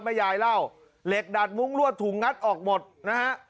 แม่ยายเล่าเหล็กดัดมุ้งรวดถูกงัดออกหมดนะฮะ